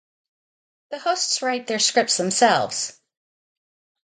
The hosts write their scripts themselves.